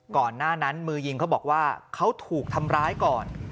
ก่อนหน้านั้นมือยิงเขาบอกว่าเขาถูกทำร้ายก่อน